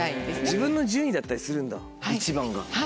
自分の順位だったりするんだ「一番」が。